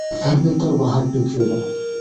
কথার ভেতর বাহাত ঢুকিয়ো না।